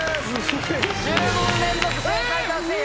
１０問連続正解達成。え！